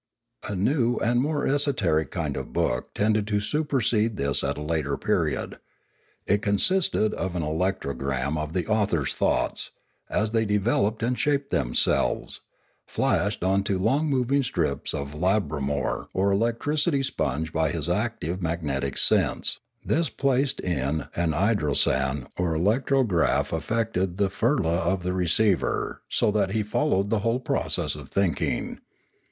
A new and more esoteric kind of book tended to supersede this at a later period. It consisted of an electrogram of the author's thoughts, as they developed and shaped themselves, flashed on to long moving strips of labramor or electricity sponge by his active magnetic sense; this placed in an idrosau or electrograph affected the firla of the receiver so that he followed the whole process of thinking.